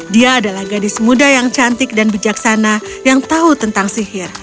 dia adalah gadis muda yang cantik dan bijaksana yang tahu tentang sihir